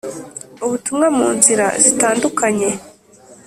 Ubutumwa mu nzira zitandukanye